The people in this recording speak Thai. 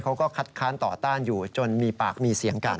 เขาก็คัดค้านต่อต้านอยู่จนมีปากมีเสียงกัน